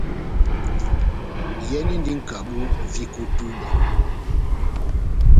Iyɛnindi nʼkabu viko ό túbɛ.